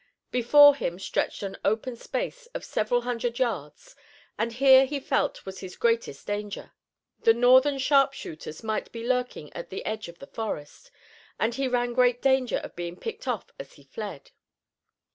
Before him stretched an open space of several hundred yards and here he felt was his greatest danger. The Northern sharpshooters might be lurking at the edge of the forest, and he ran great danger of being picked off as he fled.